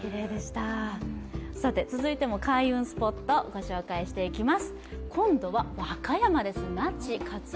続いても開運スポットご紹介していきます。